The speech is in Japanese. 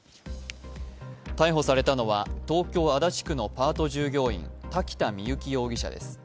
逮捕されたのは東京・足立区のパート従業員、瀧田深雪容疑者です。